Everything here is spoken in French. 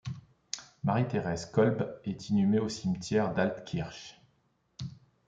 Marie-Thérèse Kolb est inhumée au cimetière d'Altkirch.